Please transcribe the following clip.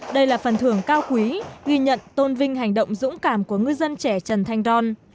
đây là phần thưởng cao quý ghi nhận tôn vinh hành động dũng cảm của ngư dân trẻ trần thanh don